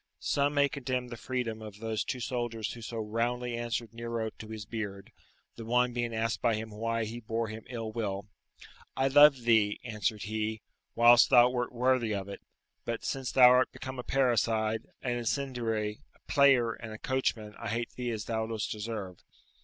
Some may condemn the freedom of those two soldiers who so roundly answered Nero to his beard; the one being asked by him why he bore him ill will? "I loved thee," answered he, "whilst thou wert worthy of it, but since thou art become a parricide, an incendiary, a player, and a coachman, I hate thee as thou dost deserve."